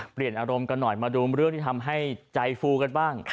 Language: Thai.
เปลี่ยนอารมณ์กันหน่อยมาดูเรื่องที่ทำให้ใจฟูกันบ้าง